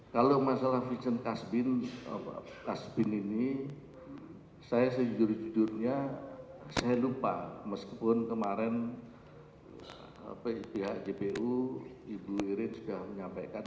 kalau masalah vincent kasbin ini saya sejujurnya saya lupa meskipun kemarin pihak jpu ibu iren sudah menyampaikan